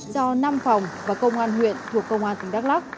cho năm phòng và công an huyện thuộc công an tỉnh đắk lắc